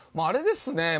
あれですね。